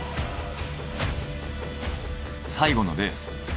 最後のレース。